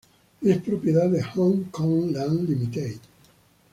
Es propiedad de Hongkong Land Limited.